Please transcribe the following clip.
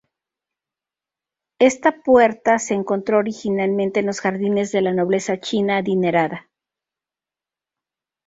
Esta puerta se encontró originalmente en los jardines de la nobleza china adinerada.